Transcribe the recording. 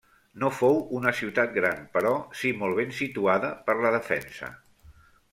No fou una ciutat gran però si molt ben situada per la defensa.